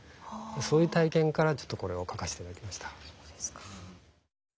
そういう体験からこれを書かせて頂きました。